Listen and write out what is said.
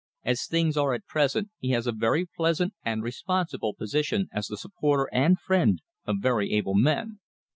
As things are at present, he has a very pleasant and responsible position as the supporter and friend of very able men.